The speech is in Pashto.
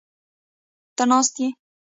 ته ناست یې؟